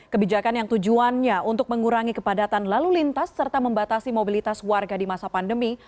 kebijakan yang tujuannya untuk mengurangi kepadatan lalu lintas serta membatasi mobilitas warga di masa pandemi